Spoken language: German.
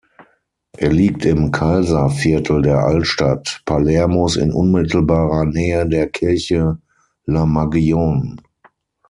Er liegt im Kalsa-Viertel der Altstadt Palermos in unmittelbarer Nähe der Kirche La Magione.